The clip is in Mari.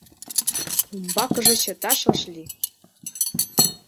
Умбакыже чыташ ыш лий!